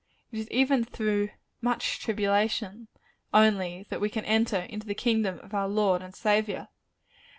It is even through "much tribulation" only, that we can enter into the kingdom of our Lord and Saviour.